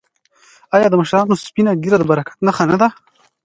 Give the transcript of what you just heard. آیا د مشرانو سپینه ږیره د برکت نښه نه ده؟